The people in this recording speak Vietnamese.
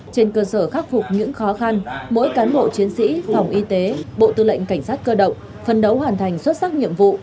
trên cơ sở khắc phục những khó khăn mỗi cán bộ chiến sĩ phòng y tế bộ tư lệnh cảnh sát cơ động phân đấu hoàn thành xuất sắc nhiệm vụ